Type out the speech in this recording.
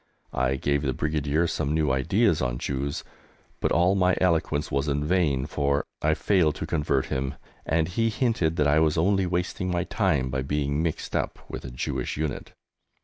I gave the Brigadier some new ideas on Jews, but all my eloquence was in vain, for I failed to convert him, and he hinted that I was only wasting my time by being mixed up with a Jewish unit!